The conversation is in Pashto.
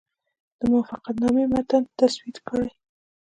د موافقتنامې متن تسوید کړي.